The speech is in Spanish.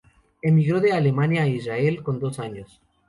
Emigró de Alemania a Israel con dos años.